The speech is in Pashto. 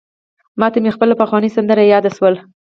ماته مي خپله پخوانۍ سندره یاده سوله: